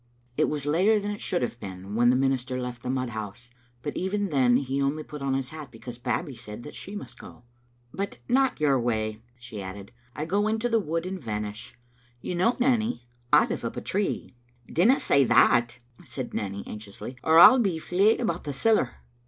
It was later than it should have been when the minister left the mud house, and even then he only put on his hat because Babbie said that she must go. " But not your way, " she added. " I go into the wood and vanish You know, Nanny, I live up a tree." "Dinna say that," said Nanny, anxiously, "or I'll be fleid about the siller.